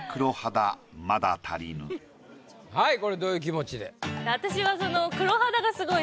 はいこれどういう気持ちで？